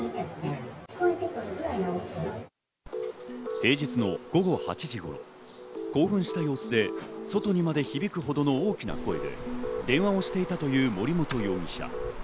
平日の午後８時頃、興奮した様子で、外にまで響くほどの大きな声で電話をしていたという森本容疑者。